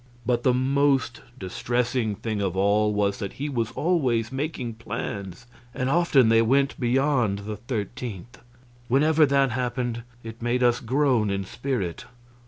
But the most distressing thing of all was that he was always making plans, and often they went beyond the 13th! Whenever that happened it made us groan in spirit.